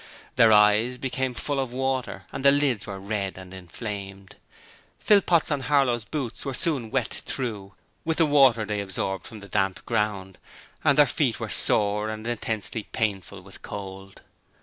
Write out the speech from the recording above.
Their eyes became full of water and the lids were red and inflamed. Philpot's and Harlow's boots were soon wet through, with the water they absorbed from the damp ground, and their feet were sore and intensely painful with cold.